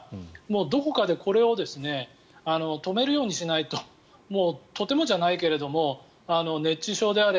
どこかでこれを止めるようにしないともうとてもじゃないけれど熱中症であれ